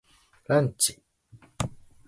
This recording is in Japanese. ランチ